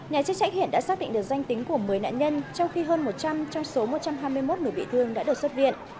nhà chức trách hiện đã xác định được danh tính của một mươi nạn nhân trong khi hơn một trăm linh trong số một trăm hai mươi một người bị thương đã được xuất viện